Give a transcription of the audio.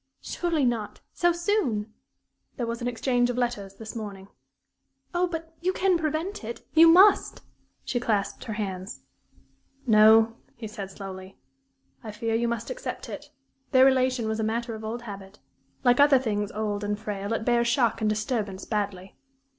"Surely not so soon!" "There was an exchange of letters this morning." "Oh, but you can prevent it you must!" She clasped her hands. "No," he said, slowly, "I fear you must accept it. Their relation was a matter of old habit. Like other things old and frail, it bears shock and disturbance badly."